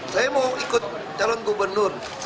saya mau ikut calon gubernur